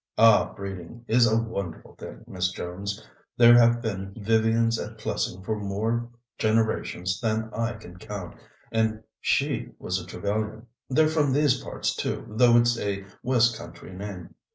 Ah, breeding is a wonderful thing, Miss Jones. There have been Vivians at Plessing for more generations than I can count, and she was a Trevellyan. They're from these parts, too, though it's a West Country name.